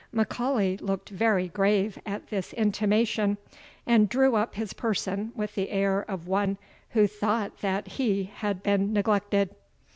M'Aulay looked very grave at this intimation, and drew up his person with the air of one who thought that he had been neglected.